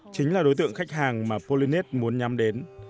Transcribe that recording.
chính là đối tượng khách hàng mà polynet muốn nhắm đến